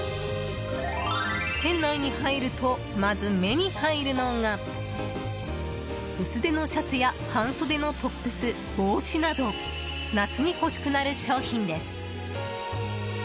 店内に入ると、まず目に入るのが薄手のシャツや半袖のトップス帽子など夏に欲しくなる商品です。